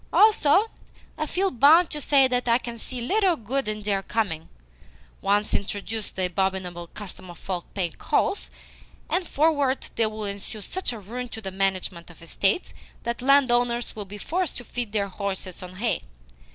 "Also, I feel bound to say that I can see little good in their coming. Once introduce the abominable custom of folk paying calls, and forthwith there will ensue such ruin to the management of estates that landowners will be forced to feed their horses on hay.